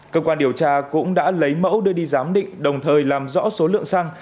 cơ quan điều tra cũng đã lấy mẫu đưa đi giám định đồng thời làm rõ số lượng xăng